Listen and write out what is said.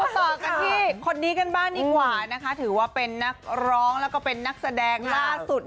ต่อกันที่คนนี้กันบ้างดีกว่านะคะถือว่าเป็นนักร้องแล้วก็เป็นนักแสดงล่าสุด